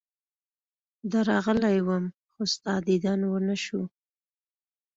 درغلی وم، خو ستا دیدن ونه شو.